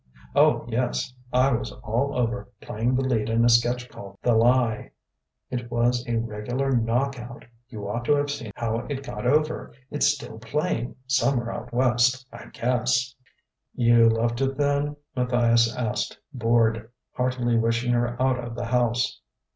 "Oh, yes; I was all over, playing the lead in a sketch called 'The Lie.' It was a regular knock out. You ought to have seen how it got over. It's still playing, somewhere out West, I guess." "You left it, then?" Matthias asked, bored, heartily wishing her out of the house.